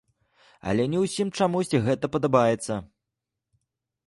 Але не ўсім чамусьці гэта падабаецца.